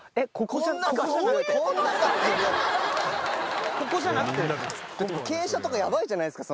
ここじゃなくてですか？